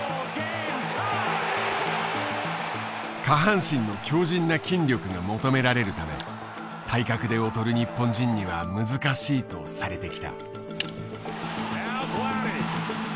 下半身の強じんな筋力が求められるため体格で劣る日本人には難しいとされてきた。